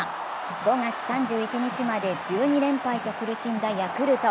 ５月３１日まで１２連敗と苦しんだヤクルト。